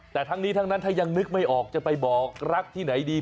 แต่ทั้งนี้ทั้งนั้นถ้ายังนึกไม่ออกจะไปบอกรักที่ไหนดี